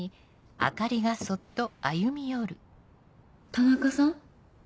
田中さん。